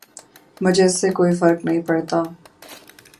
مجھے اس سے کوئی فرق نہیں پڑتا